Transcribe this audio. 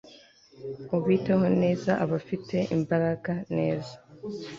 ubiteho neza abafite imbaraga neza